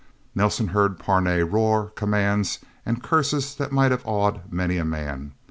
Nelsen heard Parnay roar commands and curses that might have awed many a man.